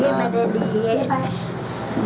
saya pada diet